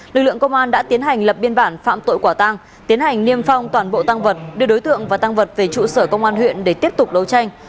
lực lượng công an đã tiến hành lập biên bản phạm tội quả tăng tiến hành niêm phong toàn bộ tăng vật đưa đối tượng và tăng vật về trụ sở công an huyện để tiếp tục đấu tranh